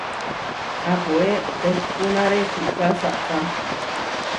Apoé tehpúnare puʼká saʼpá.